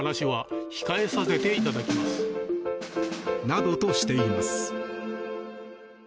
などとしています。